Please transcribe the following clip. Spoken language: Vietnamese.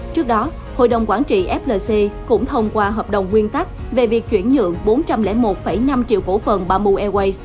trước đó hội đồng quản trị flc cũng thông qua hợp đồng nguyên tắc về việc chuyển nhượng bốn trăm linh một năm triệu cổ phần bamboo airways